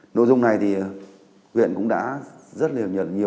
nói chung này thì huyện cũng đã rất là n trousers và và đơn giản nhất t privilege